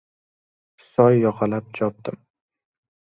Soy yoqalab chopdim.